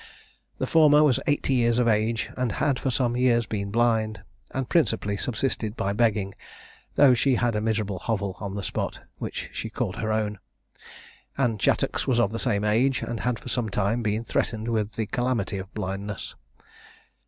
The former was eighty years of age, and had for some years been blind, and principally subsisted by begging, though she had a miserable hovel on the spot, which she called her own. Anne Chattox was of the same age, and had for some time been threatened with the calamity of blindness.